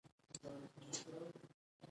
• غونډۍ د بادونو د لوري ټاکلو کې مرسته کوي.